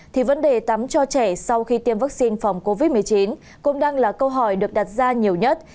thì vấn đề tắm cho trẻ sau khi tiêm vaccine phòng covid một mươi chín cũng đang là câu hỏi được đặt ra nhiều nhất